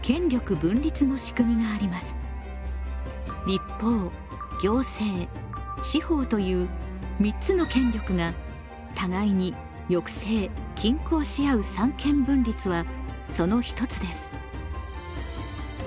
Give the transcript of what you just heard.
立法行政司法という三つの権力が互いに抑制・均衡しあう三権分立はその一つです。